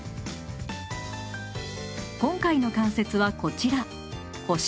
今回の関節はこちら腰。